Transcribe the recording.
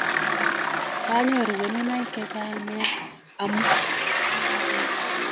Kwanyoru konunoik chechang' nia amut